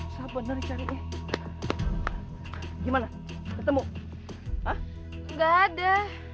sabar sabar cari gimana ketemu enggak ada